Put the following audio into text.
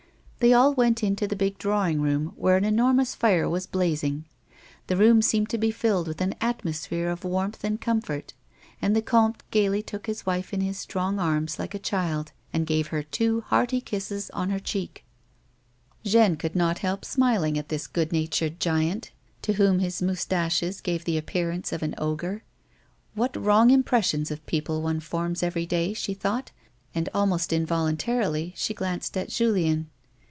They all went in to the big drawing room where an enormous fire was blazing. The room seemed to be filled with an atmosphere of warmth and comfort, and the comte gaily took up his wife in his strong arms like a child, and gave her two hearty kisses on her cheeks. Jeanne could not help smiling at this good natured giant 138 A WOMAN'S LIFE. to whom his moustaches gave the appearance of an ogre. "What wrong impressions of people one forms every day," she thought ; and, almost involuntarily, she glanced at Julien.